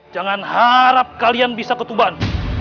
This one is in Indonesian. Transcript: jangan harap kalian bisa ke tuban